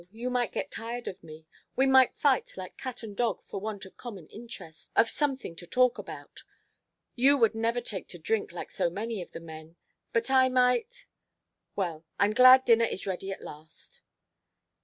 You might get tired of me. We might fight like cat and dog for want of common interests, of something to talk about. You would never take to drink like so many of the men, but I might well, I'm glad dinner is ready at last."